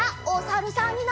おさるさん。